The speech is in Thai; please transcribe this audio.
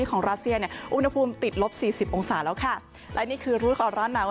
โอ้โฮ